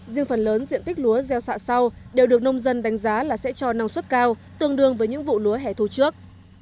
riêng phần lớn diện tích lúa gieo xạ sau đều được nông dân đánh giá là sẽ cho năng suất cao tương đương với những vụ lúa hẻ thu trước